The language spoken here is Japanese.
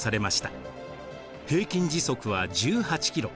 平均時速は１８キロ。